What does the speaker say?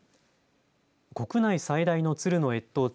国内最大の鶴の越冬地